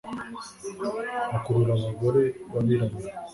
Akurura abagore babirabura